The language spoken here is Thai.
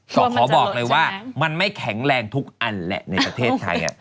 ก็ขอบอกเลยว่ามันไม่แข็งแรงทุกอันแหละในประเทศไทย